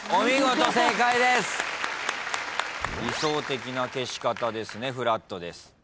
理想的な消し方ですねフラットです。